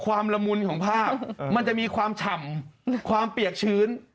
ละมุนของภาพมันจะมีความฉ่ำความเปียกชื้น